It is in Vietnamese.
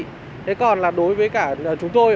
thế còn là đối với cả chúng tôi